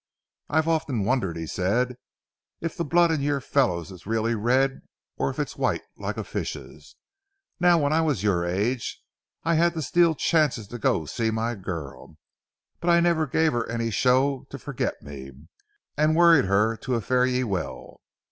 "I've often wondered," said he, "if the blood in you fellows is really red, or if it's white like a fish's. Now, when I was your age, I had to steal chances to go to see my girl. But I never gave her any show to forget me, and worried her to a fare ye well.